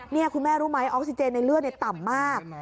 นี่คุณแม่รู้ไหมออกซิเจนในเลือดต่ำมาก